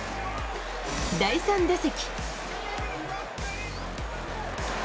第３打席。